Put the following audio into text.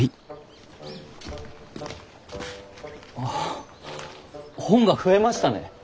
あ本が増えましたね。